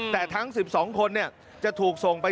แต่ทั้ง๑๒คนจะถูกส่งไป